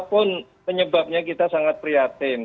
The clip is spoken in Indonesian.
apapun penyebabnya kita sangat prihatin